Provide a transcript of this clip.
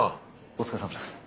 お疲れさまです。